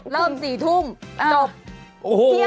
เริ่ม๔ทุ่มจบ